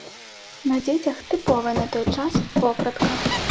На дзецях тыповая на той час вопратка.